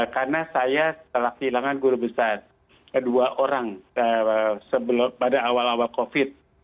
karena saya telah kehilangan guru besar dua orang pada awal awal covid